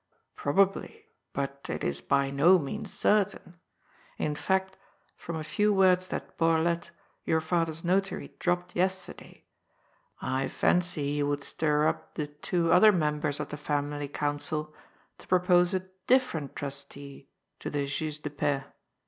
" Probably, but it is by no means certain. In fact, from a few words that Borlett, your father's notary, dropped yesterday, I fancy he would stir up the two other members of the family council to propose a different trustee to the juge de paix.